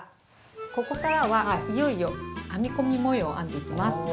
ここからはいよいよ編み込み模様を編んでいきます。